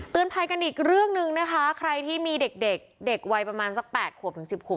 ภัยกันอีกเรื่องหนึ่งนะคะใครที่มีเด็กเด็กวัยประมาณสัก๘ขวบถึง๑๐ขวบ